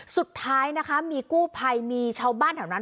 สุดท้ายนะคะมีกู้ภัยมีชาวบ้านแถวนั้น